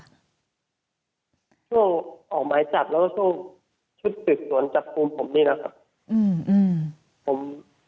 ช่วงออกไม้จับแล้วก็ช่วงชุดตึกสวนจับปุ่มผมนี่นะครับอืมอืม